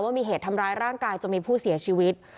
ว่ามีเหตุทำร้ายร่างกายจนมีผู้เสียชีวิต